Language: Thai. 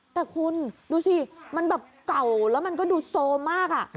แต่คุณดูสิมันแบบเก่าแล้วมันก็ดูโซมมาก